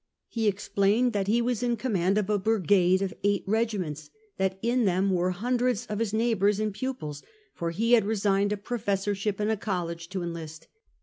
He explained that he was in command of a brigade of eight regiments ; that in them were hundreds of his neighbors and pupils, for he had resigned a professor ship in a college to enlist.